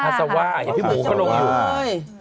อาซาว่าพี่หมูเข้าลงดู